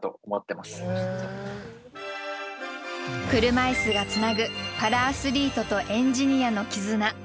車いすがつなぐパラアスリートとエンジニアの絆。